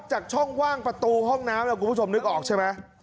จากช่องว่างประตูห้องน้ำคุณผู้ชมนึกออกใช่ไหม